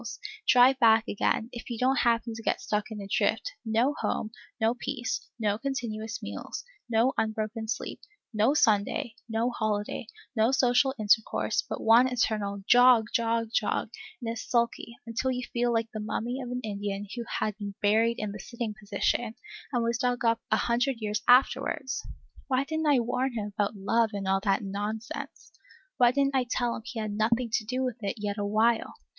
as partes equates,) drive back again, if you don't happen to get stuck in a drift, no home, no peace, no continuous meals, no unbroken sleep, no Sunday, no holiday, no social intercourse, but one eternal jog, jog, jog, in a sulky, until you feel like the mummy of an Indian who had been buried in the sitting posture, and was dug up a hundred years afterwards! Why did n't I warn him about love and all that nonsense? Why didn't I tell him he had nothing to do with it, yet awhile?